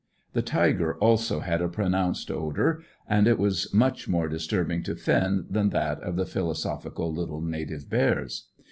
The tiger also had a pronounced odour; and it was much more disturbing to Finn than that of the philosophical little native bears.